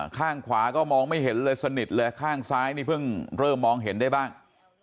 ข้างขวาก็มองไม่เห็นเลยสนิทเลยข้างซ้ายนี่เพิ่งเริ่มมองเห็นได้บ้าง